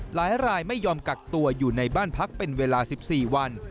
หลายรายไม่ยอมกักตัวอยู่ในบ้านพักเป็นเวลา๑๔วัน